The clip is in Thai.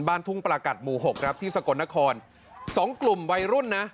บ้านทุ่งประกัดหมู่หกครับที่สกลนครสองกลุ่มวัยรุ่นนะ